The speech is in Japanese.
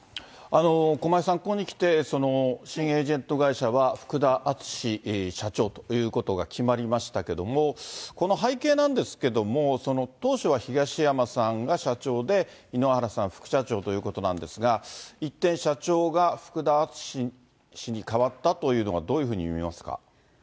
駒井さん、ここにきて新エージェント会社は福田淳社長ということが決まりましたけども、この背景なんですけども、当初は東山さんが社長で、井ノ原さん副社長ということなんですが、一転、社長が福田淳氏に代わったというのは、どういうふうに見ますか。